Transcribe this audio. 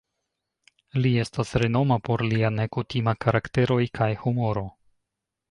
Li estas renoma por lia nekutima karakteroj kaj humoro.